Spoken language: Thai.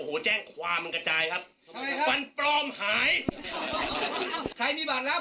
โอ้โหแจ้งความมันกระจายครับฟันปลอมหายใครมีบัตรแล้ว